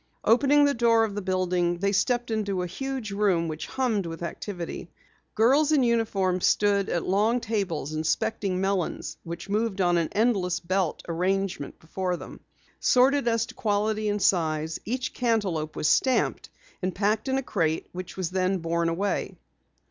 Opening the door of the building, they stepped into a huge room which hummed with activity. Girls in uniforms stood at long tables inspecting melons which moved on an endless belt arrangement before them. Sorted as to quality and size, each cantaloupe was stamped and packed in a crate which was then borne away.